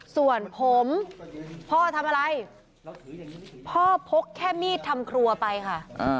ส่วนผมพ่อทำอะไรพ่อพกแค่มีดทำครัวไปค่ะ